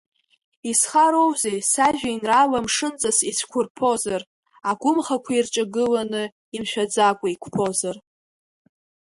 Исхароузеи сажәеинраала мшынҵас ицәқәырԥозар, Агәымхақәа ирҿагыланы, имшәаӡакәа иқәԥозар.